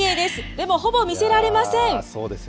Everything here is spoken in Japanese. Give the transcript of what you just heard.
でも、ほぼ見せられません。